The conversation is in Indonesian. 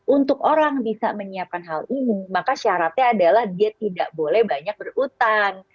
untuk orang bisa menyiapkan hal ini maka syaratnya adalah dia tidak boleh banyak berutang